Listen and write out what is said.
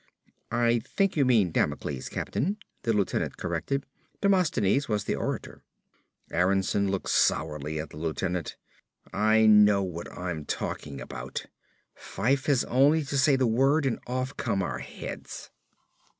"I think you mean Damocles, captain," the lieutenant corrected. "Demosthenes was the orator." Aronsen looked sourly at the lieutenant. "I know what I'm talking about. Fyfe has only to say the word and off come our heads."